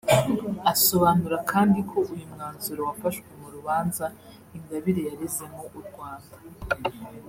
asobanura kandi ko uyu umwanzuro wafashwe mu rubanza Ingabire yarezemo u Rwanda